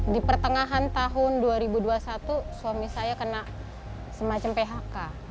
di pertengahan tahun dua ribu dua puluh satu suami saya kena semacam phk